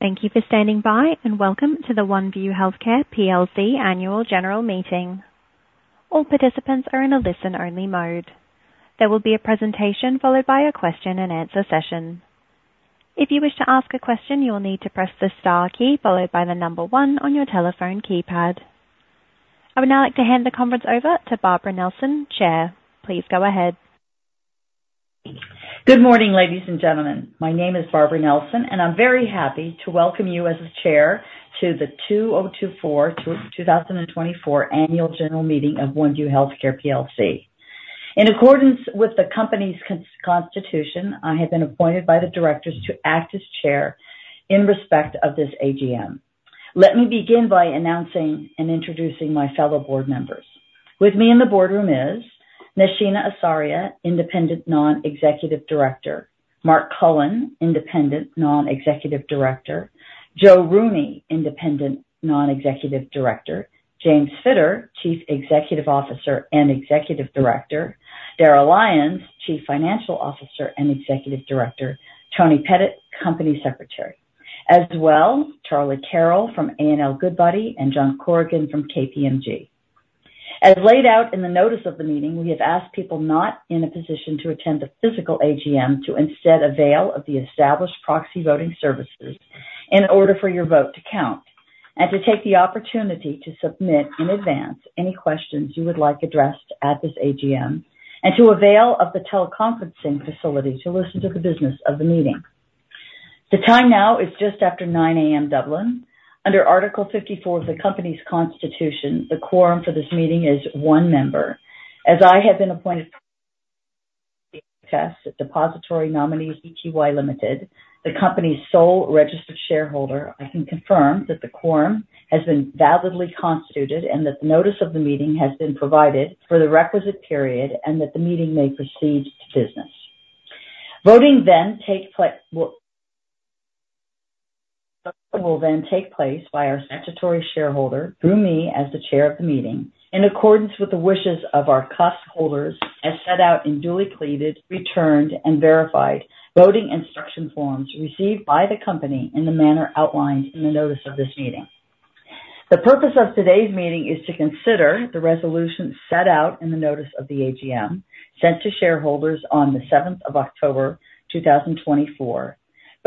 Thank you for standing by, and welcome to the Oneview Healthcare PLC annual general meeting. All participants are in a listen-only mode. There will be a presentation followed by a question-and-answer session. If you wish to ask a question, you will need to press the star key followed by the number one on your telephone keypad. I would now like to hand the conference over to Barbara Nelson, Chair. Please go ahead. Good morning, ladies and gentlemen. My name is Barbara Nelson, and I'm very happy to welcome you as the Chair to the 2024 annual general meeting of Oneview Healthcare PLC. In accordance with the company's constitution, I have been appointed by the directors to act as Chair in respect of this AGM. Let me begin by announcing and introducing my fellow board members. With me in the boardroom is Nashina Asaria, Independent Non-Executive Director, Marc Cullen, Independent Non-Executive Director, Joe Rooney, Independent Non-Executive Director, James Fitter, Chief Executive Officer and Executive Director, Darragh Lyons, Chief Financial Officer and Executive Director, Tony Pettit, Company Secretary, as well as Charlie Carroll from A&L Goodbody and John Corrigan from KPMG. As laid out in the notice of the meeting, we have asked people not in a position to attend the physical AGM to instead avail of the established proxy voting services in order for your vote to count, and to take the opportunity to submit in advance any questions you would like addressed at this AGM, and to avail of the teleconferencing facility to listen to the business of the meeting. The time now is just after 9:00 A.M. Dublin. Under Article 54 of the company's constitution, the quorum for this meeting is one member. As I have been appointed to be the depository nominee, ETY Limited, the company's sole registered shareholder, I can confirm that the quorum has been validly constituted and that the notice of the meeting has been provided for the requisite period and that the meeting may proceed to business. Voting will then take place by our statutory shareholder, through me as the Chair of the meeting, in accordance with the wishes of our custodians as set out in duly completed, returned, and verified voting instruction forms received by the company in the manner outlined in the notice of this meeting. The purpose of today's meeting is to consider the resolution set out in the notice of the AGM sent to shareholders on the 7th of October 2024.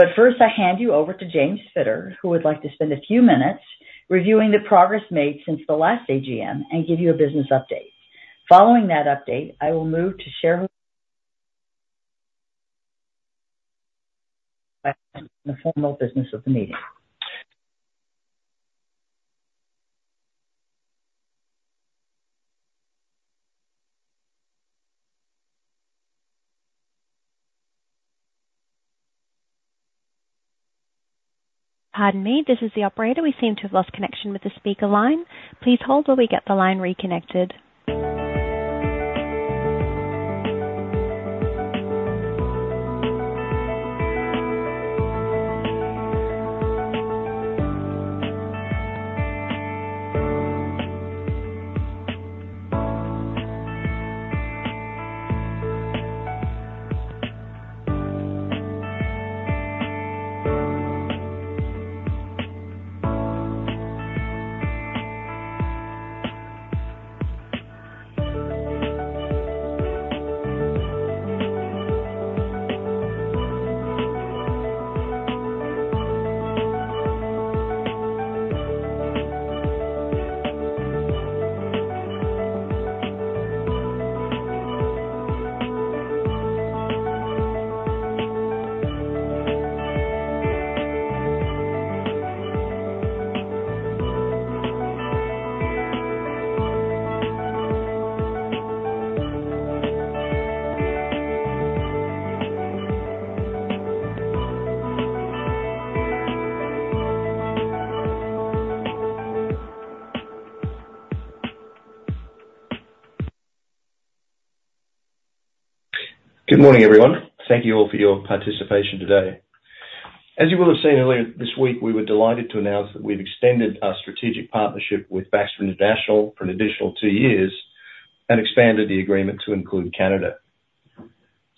But first, I hand you over to James Fitter, who would like to spend a few minutes reviewing the progress made since the last AGM and give you a business update. Following that update, I will move to shareholders in the formal business of the meeting. Pardon me, this is the operator. We seem to have lost connection with the speaker line. Please hold while we get the line reconnected. Good morning, everyone. Thank you all for your participation today. As you will have seen earlier this week, we were delighted to announce that we've extended our strategic partnership with Baxter International for an additional two years and expanded the agreement to include Canada.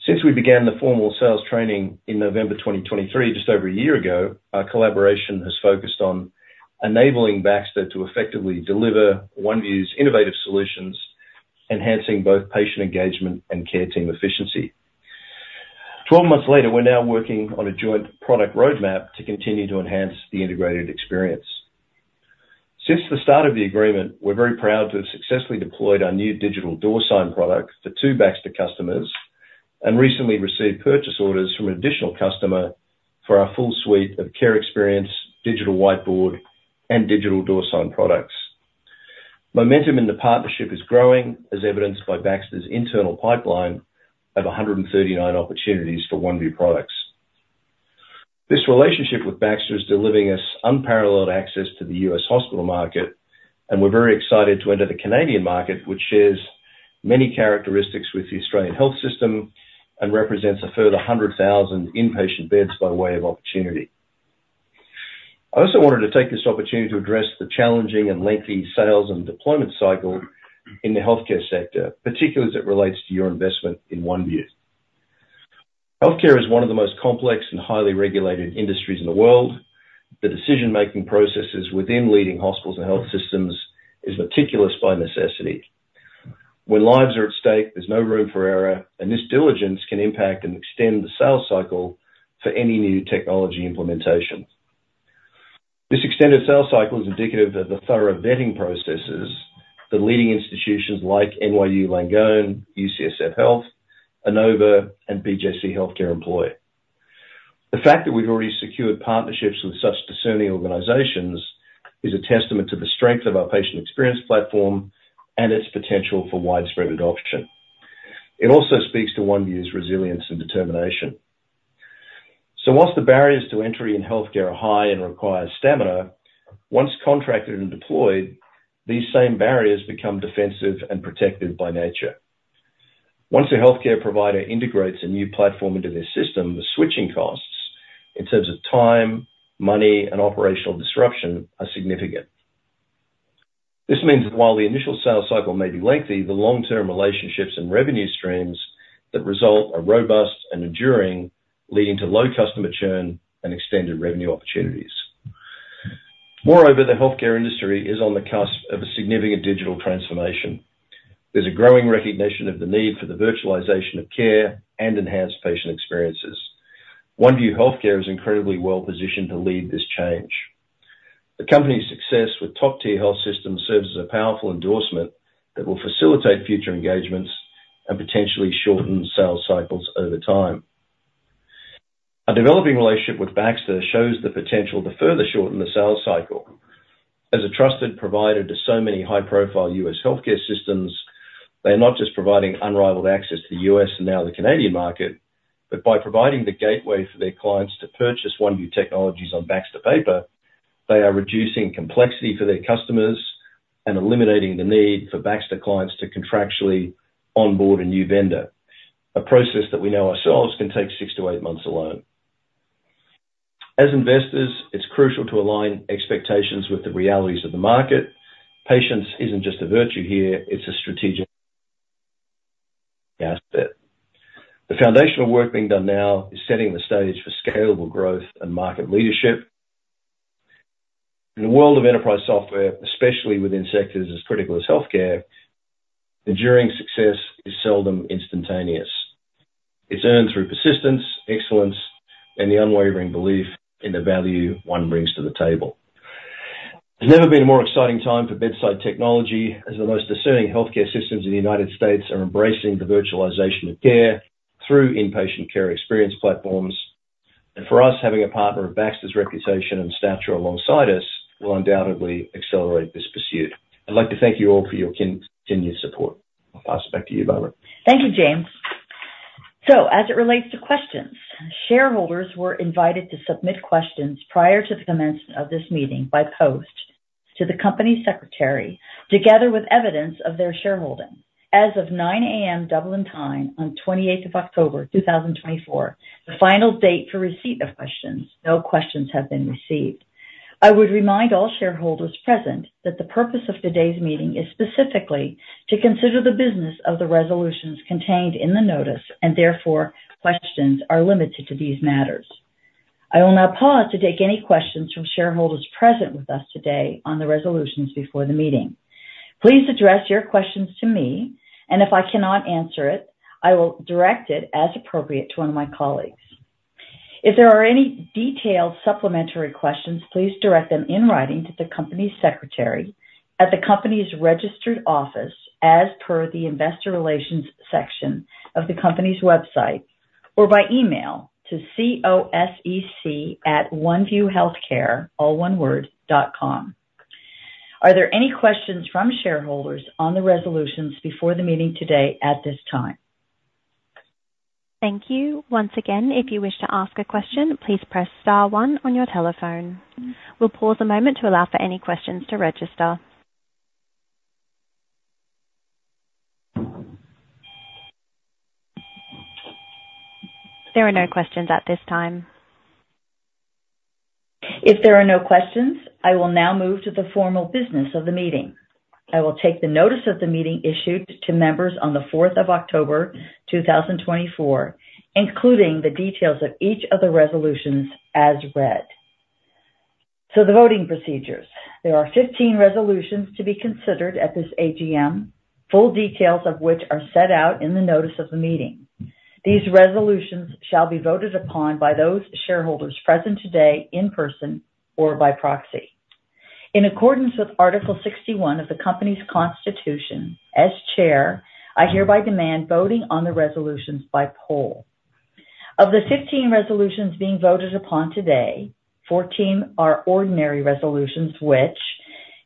Since we began the formal sales training in November 2023, just over a year ago, our collaboration has focused on enabling Baxter to effectively deliver Oneview's innovative solutions, enhancing both patient engagement and care team efficiency. Twelve months later, we're now working on a joint product roadmap to continue to enhance the integrated experience. Since the start of the agreement, we're very proud to have successfully deployed our new digital door sign product for two Baxter customers and recently received purchase orders from an additional customer for our full suite of care experience, digital whiteboard, and digital door sign products. Momentum in the partnership is growing, as evidenced by Baxter's internal pipeline of 139 opportunities for Oneview products. This relationship with Baxter is delivering us unparalleled access to the U.S. hospital market, and we're very excited to enter the Canadian market, which shares many characteristics with the Australian health system and represents a further 100,000 inpatient beds by way of opportunity. I also wanted to take this opportunity to address the challenging and lengthy sales and deployment cycle in the healthcare sector, particularly as it relates to your investment in Oneview. Healthcare is one of the most complex and highly regulated industries in the world. The decision-making processes within leading hospitals and health systems are meticulous by necessity. When lives are at stake, there's no room for error, and this diligence can impact and extend the sales cycle for any new technology implementation. This extended sales cycle is indicative of the thorough vetting processes that leading institutions like NYU Langone, UCSF Health, Inova, and BJC HealthCare employ. The fact that we've already secured partnerships with such discerning organizations is a testament to the strength of our patient experience platform and its potential for widespread adoption. It also speaks to Oneview's resilience and determination. So whilst the barriers to entry in healthcare are high and require stamina, once contracted and deployed, these same barriers become defensive and protective by nature. Once a healthcare provider integrates a new platform into their system, the switching costs in terms of time, money, and operational disruption are significant. This means that while the initial sales cycle may be lengthy, the long-term relationships and revenue streams that result are robust and enduring, leading to low customer churn and extended revenue opportunities. Moreover, the healthcare industry is on the cusp of a significant digital transformation. There's a growing recognition of the need for the virtualization of care and enhanced patient experiences. Oneview Healthcare is incredibly well positioned to lead this change. The company's success with top-tier health systems serves as a powerful endorsement that will facilitate future engagements and potentially shorten sales cycles over time. Our developing relationship with Baxter shows the potential to further shorten the sales cycle. As a trusted provider to so many high-profile U.S. healthcare systems, they are not just providing unrivaled access to the U.S. and now the Canadian market, but by providing the gateway for their clients to purchase Oneview technologies on Baxter paper, they are reducing complexity for their customers and eliminating the need for Baxter clients to contractually onboard a new vendor, a process that we know ourselves can take six to eight months alone. As investors, it's crucial to align expectations with the realities of the market. Patience isn't just a virtue here. It's a strategic asset. The foundational work being done now is setting the stage for scalable growth and market leadership. In the world of enterprise software, especially within sectors as critical as healthcare, enduring success is seldom instantaneous. It's earned through persistence, excellence, and the unwavering belief in the value one brings to the table. There's never been a more exciting time for bedside technology, as the most discerning healthcare systems in the United States are embracing the virtualization of care through inpatient care experience platforms. And for us, having a partner of Baxter's reputation and stature alongside us will undoubtedly accelerate this pursuit. I'd like to thank you all for your continued support. I'll pass it back to you, Barbara. Thank you, James. So as it relates to questions, shareholders were invited to submit questions prior to the commencement of this meeting by post to the company secretary, together with evidence of their shareholding. As of 9:00 A.M. Dublin time on 28th of October 2024, the final date for receipt of questions, no questions have been received. I would remind all shareholders present that the purpose of today's meeting is specifically to consider the business of the resolutions contained in the notice, and therefore questions are limited to these matters. I will now pause to take any questions from shareholders present with us today on the resolutions before the meeting. Please address your questions to me, and if I cannot answer it, I will direct it as appropriate to one of my colleagues. If there are any detailed supplementary questions, please direct them in writing to the Company Secretary at the company's registered office as per the investor relations section of the company's website or by email to cosec@oneviewhealthcare.com. Are there any questions from shareholders on the resolutions before the meeting today at this time? Thank you. Once again, if you wish to ask a question, please press star one on your telephone. We'll pause a moment to allow for any questions to register. There are no questions at this time. If there are no questions, I will now move to the formal business of the meeting. I will take the notice of the meeting issued to members on the 4th of October 2024, including the details of each of the resolutions as read. So the voting procedures. There are 15 resolutions to be considered at this AGM, full details of which are set out in the notice of the meeting. These resolutions shall be voted upon by those shareholders present today in person or by proxy. In accordance with Article 61 of the company's constitution, as Chair, I hereby demand voting on the resolutions by poll. Of the 15 resolutions being voted upon today, 14 are ordinary resolutions which,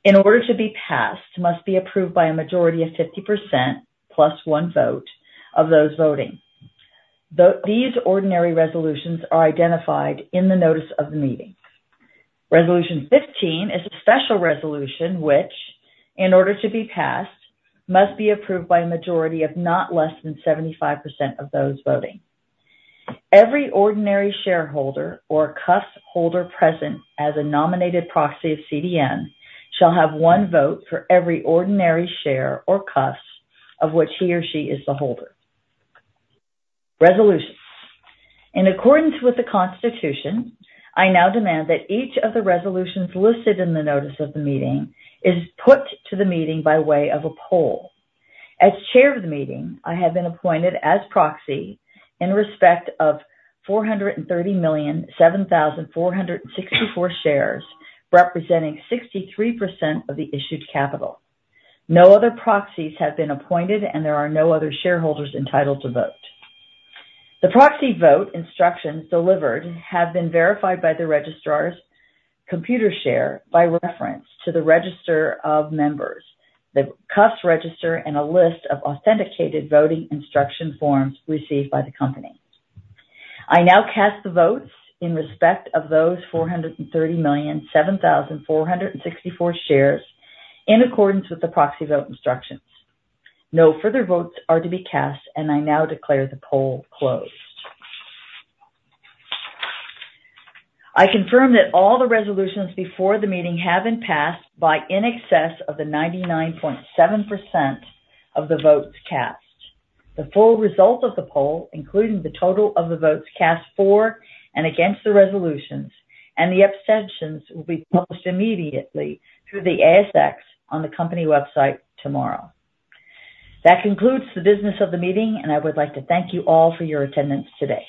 in order to be passed, must be approved by a majority of 50% plus one vote of those voting. These ordinary resolutions are identified in the notice of the meeting. Resolution 15 is a special resolution which, in order to be passed, must be approved by a majority of not less than 75% of those voting. Every ordinary shareholder or custodian present as a nominated proxy of CDN shall have one vote for every ordinary share or custodian of which he or she is the holder. Resolutions. In accordance with the constitution, I now demand that each of the resolutions listed in the notice of the meeting is put to the meeting by way of a poll. As Chair of the meeting, I have been appointed as proxy in respect of 430,007,464 shares representing 63% of the issued capital. No other proxies have been appointed, and there are no other shareholders entitled to vote. The proxy vote instructions delivered have been verified by Computershare by reference to the register of members, the custodian register, and a list of authenticated voting instruction forms received by the company. I now cast the votes in respect of those 430,007,464 shares in accordance with the proxy vote instructions. No further votes are to be cast, and I now declare the poll closed. I confirm that all the resolutions before the meeting have been passed by in excess of 99.7% of the votes cast. The full result of the poll, including the total of the votes cast for and against the resolutions and the abstentions, will be published immediately through the ASX on the company website tomorrow. That concludes the business of the meeting, and I would like to thank you all for your attendance today.